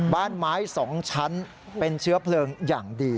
บ้านไม้๒ชั้นเป็นเชื้อเพลิงอย่างดี